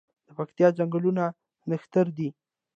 د پکتیا ځنګلونه نښتر دي